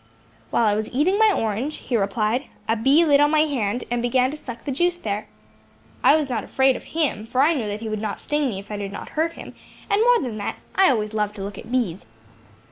"While I was eating my orange," he replied, "a bee lit on my hand, and began to suck the juice there. I was not afraid of him, for I knew that he would not sting me if I did not hurt him; and more than that, I always love to look at bees.